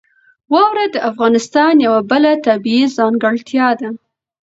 واوره د افغانستان یوه بله طبیعي ځانګړتیا ده.